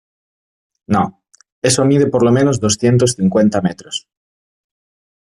no. eso mide por lo menos doscientos cincuenta metros .